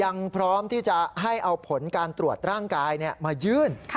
ยังพร้อมที่จะให้เอาผลการตรวจร่างกายมายื่น